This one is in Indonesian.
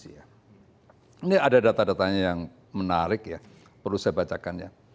ini ada data datanya yang menarik perlu saya bacakannya